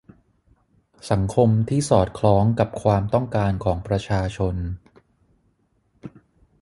สังคมที่สอดคล้องกับความต้องการของประชาชน